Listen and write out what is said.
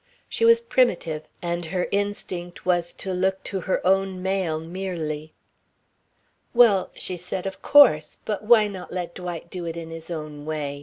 She was primitive, and her instinct was to look to her own male merely. "Well," she said, "of course. But why not let Dwight do it in his own way?